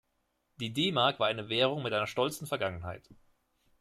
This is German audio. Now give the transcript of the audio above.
Die D-Mark war eine Währung mit einer stolzen Vergangenheit.